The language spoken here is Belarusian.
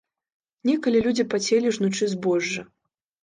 Некалі людзі пацелі, жнучы збожжа.